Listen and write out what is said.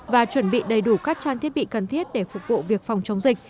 và chuẩn bị đầy đủ các trang thiết bị cần thiết để phục vụ việc phòng chống dịch